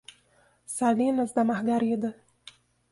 Salinas da Margarida